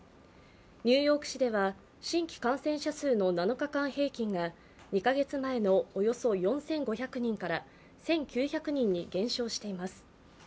ニューヨーク市では新規感染者数の７日間平均が２か月前のおよそ４５００人から１９００人に減少しています。